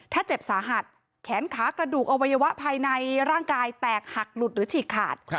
ถ้าเจ็บสาหัสแขนขากระดูกอวัยวะภายในร่างกายแตกหักหลุดหรือฉีกขาด